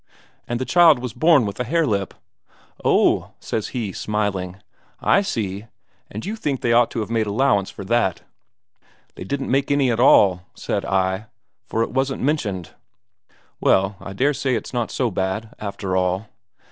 'And the child was born with a hare lip.' 'Oh,' says he, smiling, 'I see. And you think they ought to have made more allowance for that?' 'They didn't make any at all,' said I, 'for it wasn't mentioned.' 'Well, I dare say it's not so bad, after all.'